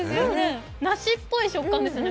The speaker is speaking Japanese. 梨っぽい食感ですね。